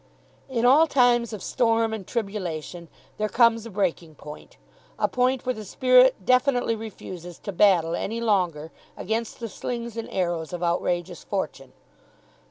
In all times of storm and tribulation there comes a breaking point, a point where the spirit definitely refuses, to battle any longer against the slings and arrows of outrageous fortune.